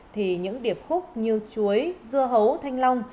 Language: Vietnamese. thì những điệp khúc như chuối dưa hấu thanh long